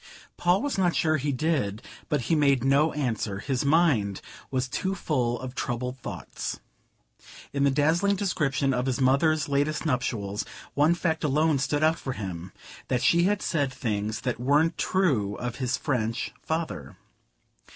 Paul was not sure he did; but he made no answer. His mind was too full of troubled thoughts. In the dazzling description of his mother's latest nuptials one fact alone stood out for him that she had said things that weren't true of his French father.